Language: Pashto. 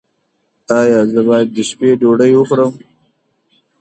ایا زه باید د شپې ډوډۍ وخورم؟